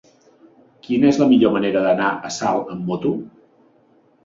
Quina és la millor manera d'anar a Salt amb moto?